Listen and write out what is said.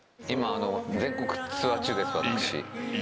今全国ツアー中です私。